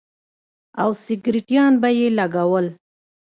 او سگرټيان به يې لگول.